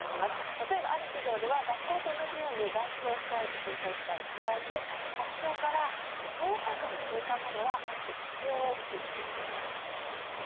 例えば、ある企業では学校と同じように外出を控える推奨期間に加えて発症から１０日間経過まではマスク着用を推奨しています。